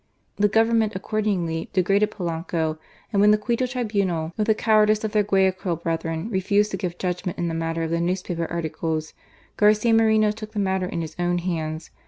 The Government accordingly degraded Polanco, and when the Quito tribunal, with the cowardice of their Guayaquil brethren, refused to give judgment, in the matter of the newspaper articles, Garcia Moreno took the matter in his own hands.